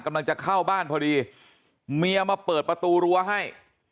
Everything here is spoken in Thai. กำลังจะเข้าบ้านพอดีเมียมาเปิดประตูรั้วให้